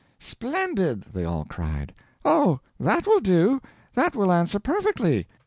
"Splendid!" they all cried. "Oh, that will do that will answer perfectly."